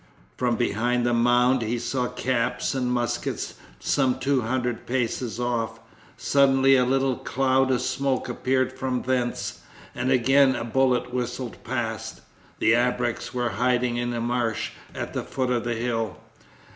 From behind the mound he saw caps and muskets some two hundred paces off. Suddenly a little cloud of smoke appeared from thence, and again a bullet whistled past. The ABREKS were hiding in a marsh at the foot of the hill.